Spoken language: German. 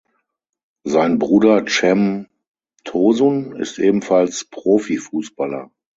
Sein Bruder Cem Tosun ist ebenfalls Profi-Fußballer.